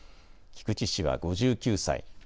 菊池氏は５９歳。